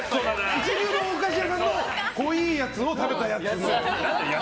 一流のお菓子屋さんの濃いやつを食べたやつの。